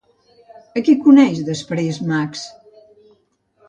A qui coneix després Max?